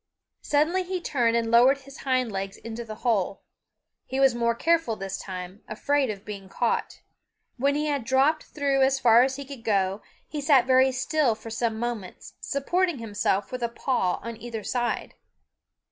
Suddenly he turned and lowered his hind legs into the hole. He was more careful this time, afraid of being caught. When he had dropped through as far as he could go, he sat very still for some moments, supporting himself with a paw on either side.